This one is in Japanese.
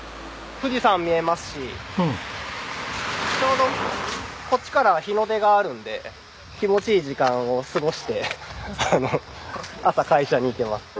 富士山見えますしちょうどこっちから日の出があるんで気持ちいい時間を過ごして朝会社に行けます。